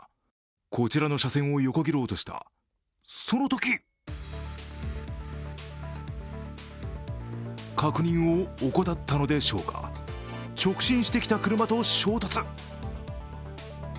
こちらの車線を横切ろうとした、そのとき確認を怠ったのでしょうか、直進してきた車と衝突。